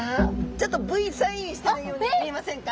ちょっとＶサインしてるようにも見えませんか？